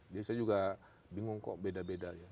biasanya juga bingung kok beda beda ya